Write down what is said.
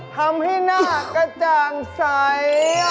ทำให้หน้ากระจ่างใส